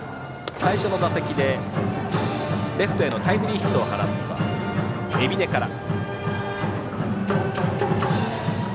最初の打席でレフトへのタイムリーヒットを放った海老根から。